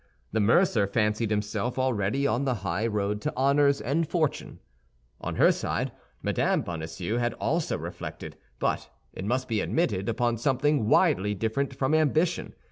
The mercer fancied himself already on the high road to honors and fortune. On her side Mme. Bonacieux had also reflected; but, it must be admitted, upon something widely different from ambition.